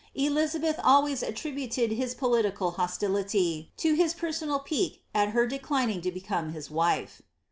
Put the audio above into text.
Elizabeth always mributed his political hostility to his personal pique at her declining to become his wife.'